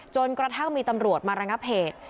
จนกระทั่งมีตำรวจมารังพย์